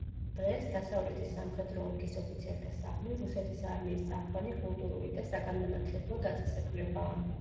დღეს, დასავლეთის სამხედრო ოლქის ოფიცერთა სახლი რუსეთის არმიის წამყვანი კულტურული და საგანმანათლებლო დაწესებულებაა.